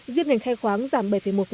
riết ngành khe khoáng giảm bảy một